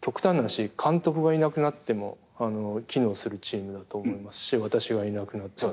極端な話監督がいなくなっても機能するチームだと思いますし私がいなくなっても。